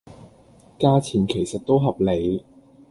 價錢其實都合理